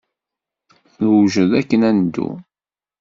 Newjed akken ad neddu.